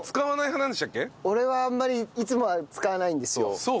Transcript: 俺はあんまりいつもは使わないんですよ。